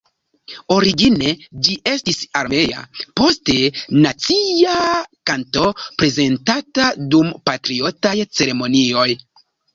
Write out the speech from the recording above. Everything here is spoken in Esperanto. Origine ĝi estis armea, poste nacia kanto prezentata dum patriotaj ceremonioj.